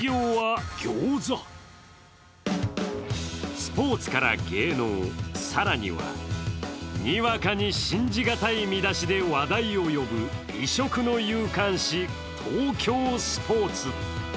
スポーツから芸能、更にはにわかに信じがたい見出しで話題を呼ぶ異色の夕刊紙、東京スポーツ。